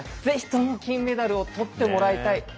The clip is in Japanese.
ぜひとも金メダルを取ってもらいたい。